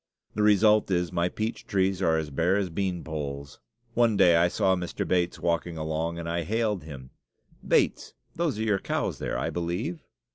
The result is, my peach trees are as bare as bean poles. One day I saw Mr. Bates walking along, and I hailed him: "Bates, those are your cows there, I believe?"